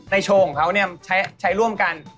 โชว์ของเขาใช้ร่วมกัน